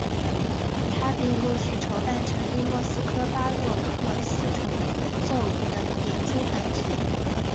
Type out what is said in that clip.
他并陆续筹办成立莫斯科巴洛克四重奏等演出团体。